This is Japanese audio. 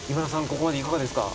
ここまでいかがですか？